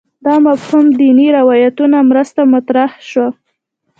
دا مفهوم دیني روایتونو مرسته مطرح شو